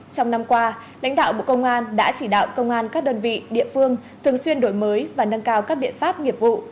trong năm qua lãnh đạo bộ công an đã chỉ đạo công an các đơn vị địa phương thường xuyên đổi mới và nâng cao các biện pháp nghiệp vụ